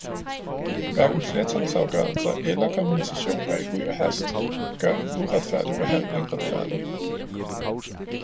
Hverken flertalsafgørelser eller kompensationer i huj og hast gør en uretfærdig behandling retfærdig.